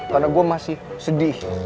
karena gue masih sedih